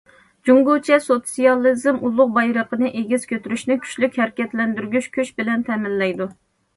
جۇڭگوچە سوتسىيالىزم ئۇلۇغ بايرىقىنى ئېگىز كۆتۈرۈشنى كۈچلۈك ھەرىكەتلەندۈرگۈچ كۈچ بىلەن تەمىنلەيدۇ.